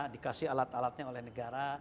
dikasih alat alatnya oleh negara